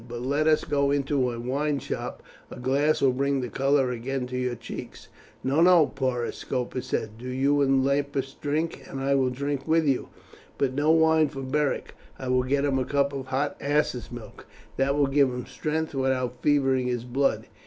"But let us go into a wine shop; a glass will bring the colour again to your cheeks." "No, no, Porus," Scopus said. "Do you and Lupus drink, and I will drink with you, but no wine for Beric. I will get him a cup of hot ass's milk; that will give him strength without fevering his blood.